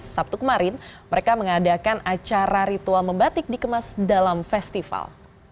sabtu kemarin mereka mengadakan acara ritual membatik dikemas dalam festival